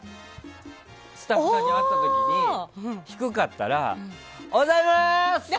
スタッフさんに会った時に低かったらおはざいまーす！